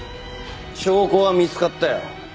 証拠は見つかったよ。